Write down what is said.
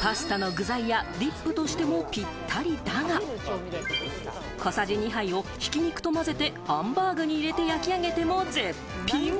パスタの具材やディップとしてもぴったりだが、小さじ２杯をひき肉と混ぜてハンバーグに入れて焼き上げても絶品。